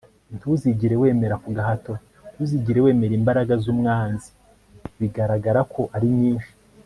ntuzigere wemera ku gahato .. ntuzigere wemera imbaraga z'umwanzi bigaragara ko ari nyinshi